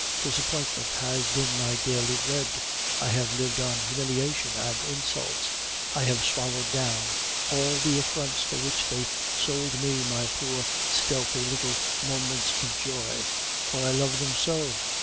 Disappointment has been my daily bread; I have lived on humiliation and insults. I have swallowed down all the affronts for which they sold me my poor stealthy little moments of joy; for I love them so!